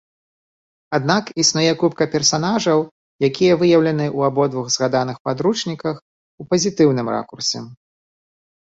Аднак існуе купка персанажаў, якія выяўленыя ў абодвух згаданых падручніках у пазітыўным ракурсе.